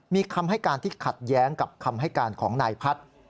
มีคำให้การที่ขัดแย้งกับคำให้การของนายพัฒน์